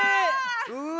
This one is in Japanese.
うわ